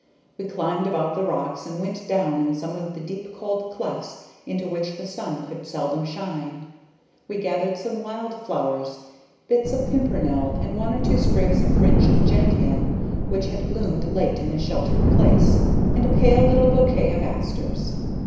We climbed about the rocks and went down in some of the deep cold clefts into which the sun could seldom shine. We gathered some wild flowers; bits of pimpernel and one or two sprigs of fringed gentian which had bloomed late in a sheltered place, and a pale little bouquet of asters.